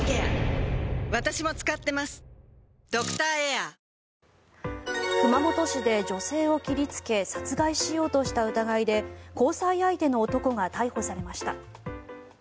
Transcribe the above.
だけど、長渕さんの言葉にもありましたけど熊本市で女性を切りつけ殺害しようとした疑いで交際相手の男が逮捕されました。